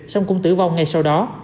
xong cũng tử vong ngay sau đó